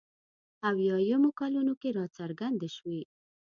اویایمو کلونو کې راڅرګندې شوې.